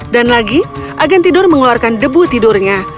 dan lagi agen tidur mengeluarkan debu tidurnya